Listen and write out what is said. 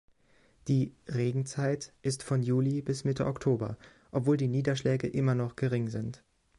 Die „Regenzeit“ ist von Juli bis Mitte Oktober, obwohl die Niederschläge immer noch gering sind.